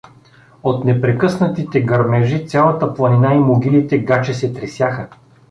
От непрекъснатите гърмежи цялата планина и могилите гаче се тресяха.